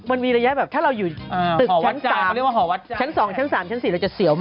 เอาข้ามหน่อย